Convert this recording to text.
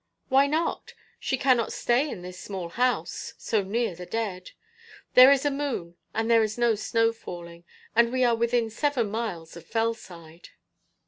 'Why not? She cannot stay in this small house so near the dead. There is a moon, and there is no snow falling, and we are within seven miles of Fellside.'